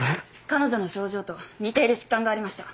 彼女の症状と似ている疾患がありました。